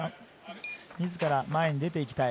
自ら前に出ていきたい。